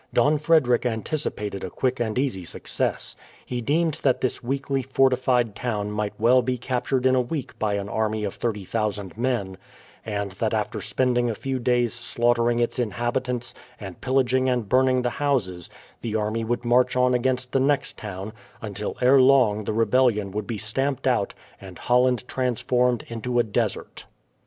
Don Frederick anticipated a quick and easy success. He deemed that this weakly fortified town might well be captured in a week by an army of 30,000 men, and that after spending a few days slaughtering its inhabitants, and pillaging and burning the houses, the army would march on against the next town, until ere long the rebellion would be stamped out, and Holland transformed into a desert.